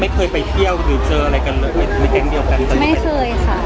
ไม่เคยไปเที่ยวหรือเจออะไรกันเลยในแก๊งเดียวกันตอนนี้ไม่เคยค่ะ